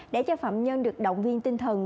để cho phạm nhân được động viên tinh thần